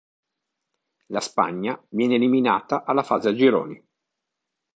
La Spagna viene eliminata alla fase a gironi.